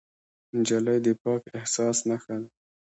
نجلۍ د پاک احساس نښه ده.